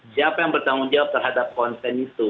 siapa yang bertanggung jawab terhadap konten itu